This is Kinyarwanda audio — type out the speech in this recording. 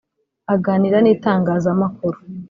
Aganira n’itangazamakuru